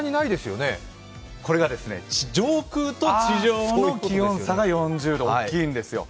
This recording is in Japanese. これが上空と地上の気温差が、４０度と大きいんですよ。